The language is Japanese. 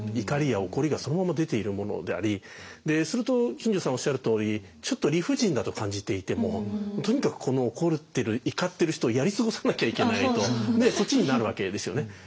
怒りや怒りがそのまま出ているものでありすると金城さんおっしゃるとおりちょっと理不尽だと感じていてもとにかくこの怒ってる怒ってる人をやり過ごさなきゃいけないとそっちになるわけですよね。